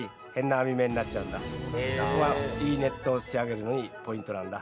そこがいいネットを仕上げるのにポイントなんだ。